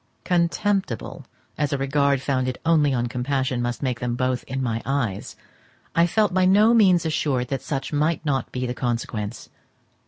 Contemptible as a regard founded only on compassion must make them both in my eyes, I felt by no means assured that such might not be the consequence.